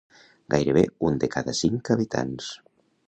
Gairebé un de cada cinc habitants.